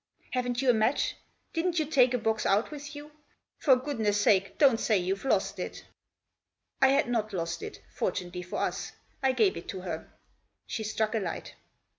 Haven't you a match ? Didn't you take a box out with you ? For goodness sake don't say you've lost it" I had not lost it, fortunately for us. I gave it to her. She struck a light.